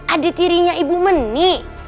adik tirinya ibu menik